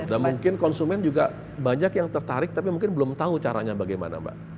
dan mungkin konsumen juga banyak yang tertarik tapi mungkin belum tahu caranya bagaimana mbak